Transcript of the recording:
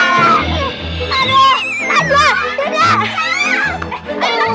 tapi kita mau kemana sekarang